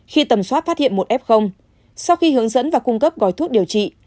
khi tầm soát phát hiện một f sau khi hướng dẫn và cung cấp gói thuốc điều trị